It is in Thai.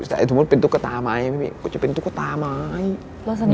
สมมุติเป็นตุ๊กตาไหมก็จะเป็นตุ๊กตาไหม